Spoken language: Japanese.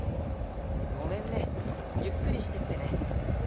ごめんねゆっくりしてってね。